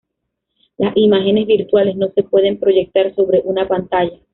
Las imágenes virtuales no se pueden proyectar sobre una pantalla.